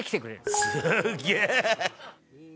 「すげえ！」